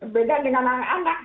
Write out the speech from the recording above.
berbeda dengan anak anak